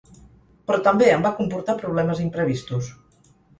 Però també em va comportar problemes imprevistos.